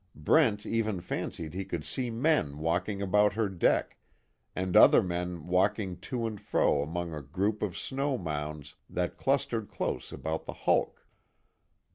Brent even fancied he could see men walking about her deck, and other men walking to and fro among a group of snow mounds that clustered close about the hulk.